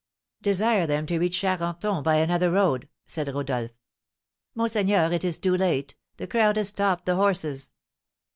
"Desire them to reach Charenton by another road," said Rodolph. "Monseigneur, it is too late, the crowd has stopped the horses."